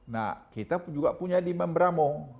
nah kita juga punya di memberamo